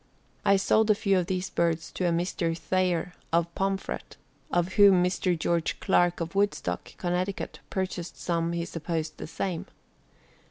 I sold a few of these birds to a Mr. Thayer of Pomfret, of whom Mr. George Clark of Woodstock, Conn., purchased some he supposed the same.